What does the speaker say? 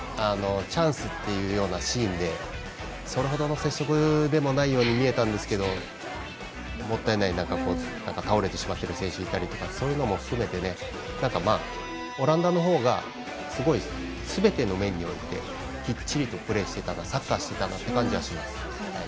チャンスっていうようなシーンでそれほどの接触でもないように見えたんですけどもったいない倒れてしまってる選手いたりそういうのも含めてオランダのほうがすごいすべての面においてきっちりとプレーしてたなサッカーしてたなっていう感じがします。